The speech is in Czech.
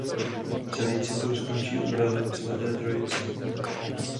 Celý cyklus končí obrazem Svaté Trojice.